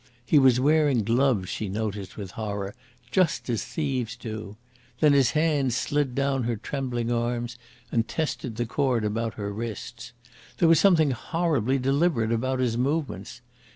He was wearing gloves, she noticed with horror, just as thieves do. Then his hands slid down her trembling arms and tested the cord about her wrists. There was something horribly deliberate about his movements.